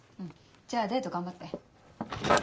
じゃあデート頑張って。